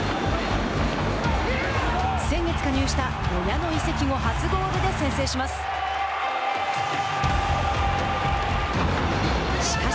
先月加入した呉屋の移籍後初ゴールで先制します。